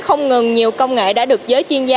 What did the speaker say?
không ngừng nhiều công nghệ đã được giới chuyên gia